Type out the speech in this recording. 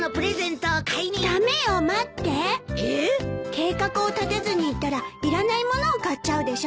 計画を立てずに行ったらいらない物を買っちゃうでしょ。